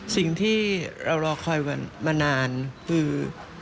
สิ่งที่เรารอคอยมานานคือ